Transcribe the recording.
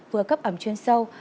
vừa cấp ẩm chuyên sâu